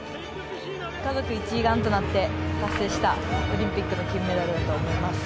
家族一丸となって達成したオリンピックの金メダルだと思います。